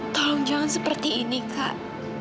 tolong jangan seperti ini kak